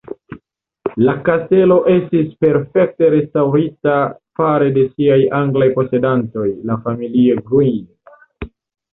La kastelo estis perfekte restaŭrita fare de siaj anglaj posedantoj, la familio "Green".